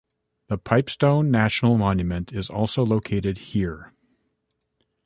The Pipestone National Monument is also located here.